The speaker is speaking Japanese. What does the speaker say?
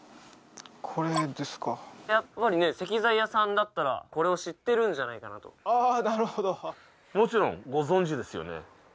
これですかやっぱりね石材屋さんだったらこれを知ってるんじゃないかなとああなるほどもちろんご存じですよね？